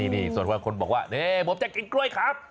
นี่ส่วนบางคนบอกว่านี่ผมจะกินกล้วยครับ